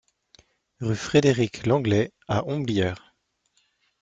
Rue Frédéric Lenglet à Homblières